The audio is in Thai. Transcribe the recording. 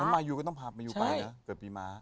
อ๋อเหรอนั้นมาอยู่ก็ต้องพาไปอยู่ไปเนี่ยเกิดปีม้า